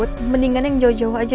terima kasih bu